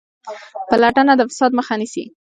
پلټنه د فساد مخه نیسي